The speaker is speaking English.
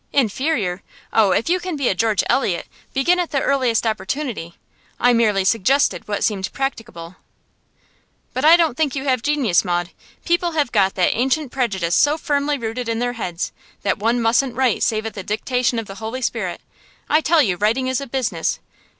'Inferior? Oh, if you can be a George Eliot, begin at the earliest opportunity. I merely suggested what seemed practicable. But I don't think you have genius, Maud. People have got that ancient prejudice so firmly rooted in their heads that one mustn't write save at the dictation of the Holy Spirit. I tell you, writing is a business.